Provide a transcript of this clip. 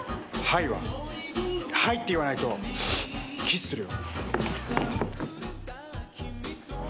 「はい」って言わないとキスするよ。